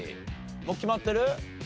もう決まってる？